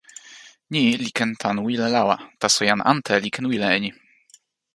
ni li ken tan wile lawa, taso jan ante li ken wile e ni.